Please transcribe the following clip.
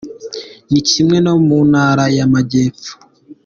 Ni kimwe no mu ntara y’Amajyepfo”.